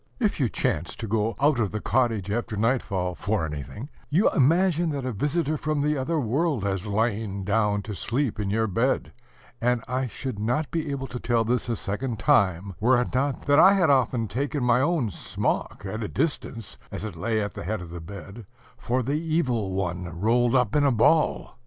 If you chance to go out of the cottage after nightfall for anything, you imagine that a visitor from the other world has lain down to sleep in your bed; and I should not be able to tell this a second time were it not that I had often taken my own smock, at a distance, as it lay at the head of the bed, for the Evil One rolled up in a ball!